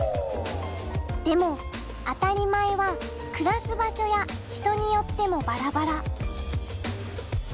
でも「当たり前」は暮らす場所や人によってもばらばら。